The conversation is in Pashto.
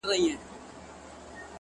• ټوله نــــړۍ راپسي مه ږغوه،